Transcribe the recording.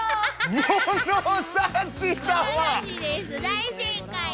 大正解。